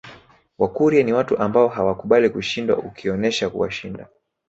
Wakurya ni watu ambao hawakubali kushindwa ukionesha kuwashinda